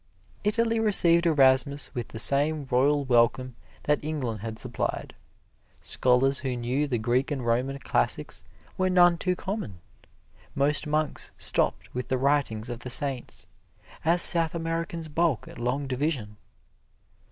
Italy received Erasmus with the same royal welcome that England had supplied. Scholars who knew the Greek and Roman classics were none too common. Most monks stopped with the writings of the saints, as South Americans balk at long division.